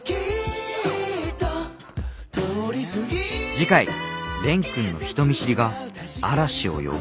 次回蓮くんの人見知りが嵐を呼ぶ？